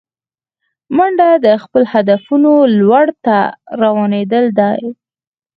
منډه د خپلو هدفونو لور ته روانېدل دي